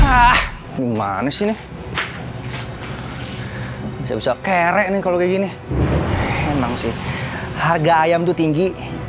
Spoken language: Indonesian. ah gimana sih bisa bisa kere nih kalau gini emang sih harga ayam tuh tinggi